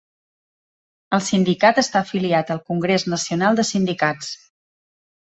El sindicat està afiliat al Congrés Nacional de Sindicats.